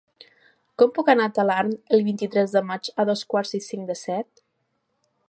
Com puc anar a Talarn el vint-i-tres de maig a dos quarts i cinc de set?